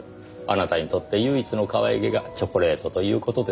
あなたにとって唯一のかわいげがチョコレートという事ですか。